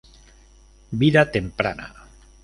Vida temprana.